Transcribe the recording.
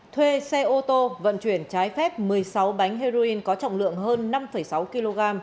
thuê xe ô tô vận chuyển trái phép một mươi sáu bánh heroin có trọng lượng hơn năm sáu kg